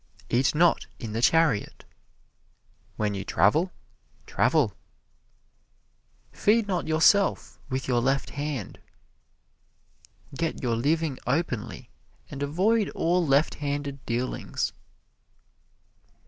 "Eat not in the chariot" when you travel, travel. "Feed not yourself with your left hand" get your living openly and avoid all left handed dealings.